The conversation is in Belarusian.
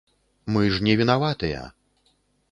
Мы ж не вінаватыя.